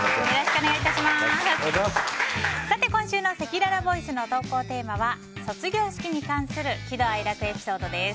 今週のせきららボイスの投稿テーマは卒業式に関する喜怒哀楽エピソードです。